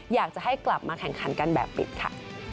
อยากจะให้กลับมาแข่งขันกันแบบปิดค่ะ